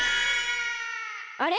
あれ？